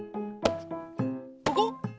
ここ？